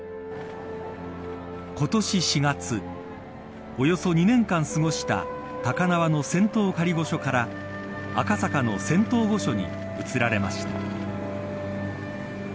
今年４月およそ２年間過ごした高輪の仙洞仮御所から、赤坂の仙洞御所に移られました。